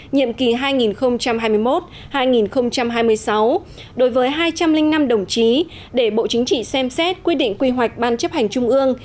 nhiệm kỳ hai nghìn hai mươi một hai nghìn hai mươi sáu đối với hai trăm linh năm đồng chí để bộ chính trị xem xét quy định quy hoạch ban chấp hành trung ương